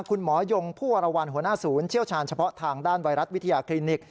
คุณหมอยงผู้วรวรรณหัวหน้าศูนย์เชี่ยวชาญเฉพาะทางด้านไวรัสวิทยาคลินิก